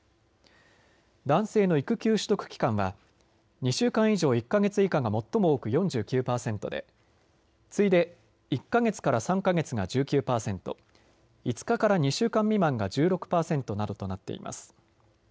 男性の育休取得期間は２週間以上１か月以下が最も多く４９％で、次いで１か月から３か月が１９％、５日から２週間未満が１６％などとなっています。